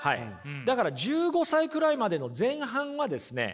だから１５歳くらいまでの前半はですね